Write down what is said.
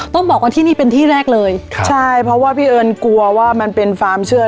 ต้องบอกว่าที่นี่เป็นที่แรกเลยใช่เพราะว่าพี่เอิญกลัวว่ามันเป็นความเชื่อ